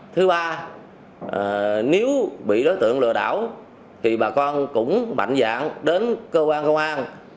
thứ ba nếu bị đối tượng lừa đảo thì bà con cũng mạnh dạng đến cơ quan công an